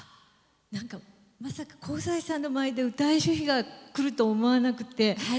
まさか香西さんの前で歌える日が来るとは思わなくて。